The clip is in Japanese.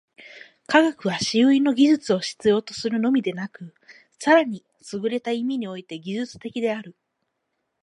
科学は思惟の技術を必要とするのみでなく、更にすぐれた意味において技術的である。